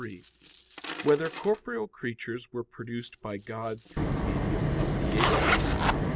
3] Whether Corporeal Creatures Were Produced by God Through the Medium of the Angels?